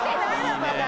まだ。